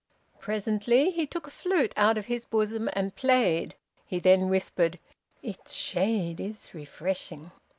"Presently, he took a flute out of his bosom and played. He then whispered, 'Its shade is refreshing.'